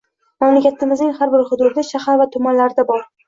Mamlakatimizning har bir hududi, shahar va tumanlarida bor.